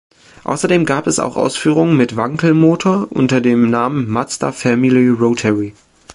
Außerdem gab es auch Ausführungen mit Wankelmotor unter dem Namen Mazda Familia Rotary.